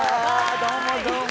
どうもどうも。